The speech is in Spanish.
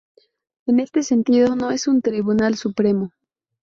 En este sentido, no es un tribunal supremo.